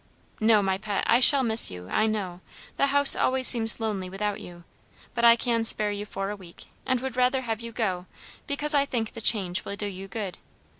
"No, my pet, I shall miss you, I know; the house always seems lonely without you; but I can spare you for a week, and would rather have you go, because I think the change will do you good.